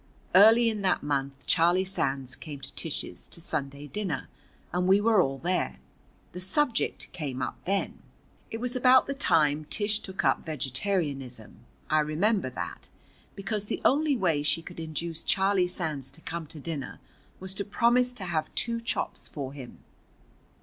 Early in that month Charlie Sands came to Tish's to Sunday dinner, and we were all there. The subject came up then. It was about the time Tish took up vegetarianism, I remember that, because the only way she could induce Charlie Sands to come to dinner was to promise to have two chops for him.